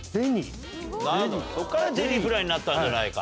なるほどそこからゼリーフライになったんじゃないか。